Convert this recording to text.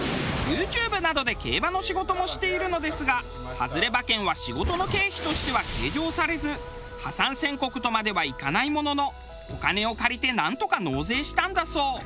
ＹｏｕＴｕｂｅなどで競馬の仕事もしているのですがハズレ馬券は仕事の経費としては計上されず破産宣告とまではいかないもののお金を借りてなんとか納税したんだそう。